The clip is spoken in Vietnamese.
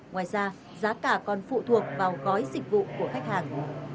ngoài ra giá cả còn phụ thuộc vào gói dịch vụ của khách hàng